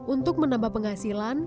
untuk menambah penghasilan